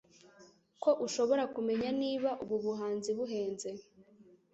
ko ushobora kumenya niba ubu buhanzi buhenze